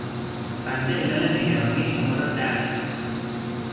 بنده علل نگرانی شما را درک میکنم.